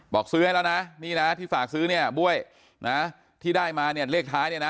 บอกซื้อให้แล้วนะนี่นะที่ฝากซื้อเนี่ยบ้วยนะที่ได้มาเนี่ยเลขท้ายเนี่ยนะ